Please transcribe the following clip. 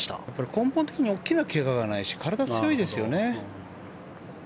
根本的に大きなけががないし体が強いですよね。